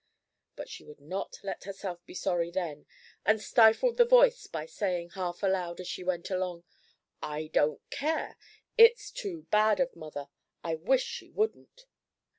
But she would not let herself be sorry then, and stifled the voice by saying, half aloud, as she went along: "I don't care. It's too bad of mother. I wish she wouldn't."